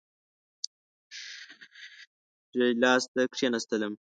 ښي لاس ته کښېنستلم.